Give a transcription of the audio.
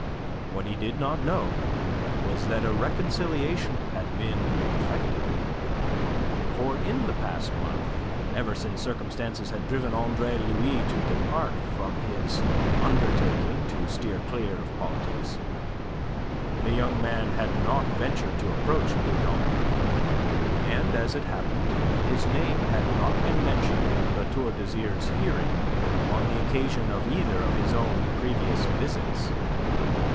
What he did not know was that a reconciliation had been effected. For in the past month ever since circumstances had driven Andre Louis to depart from his undertaking to steer clear of politics the young man had not ventured to approach Meudon, and as it happened his name had not been mentioned in La Tour d'Azyr's hearing on the occasion of either of his own previous visits.